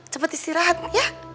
cepet istirahat ya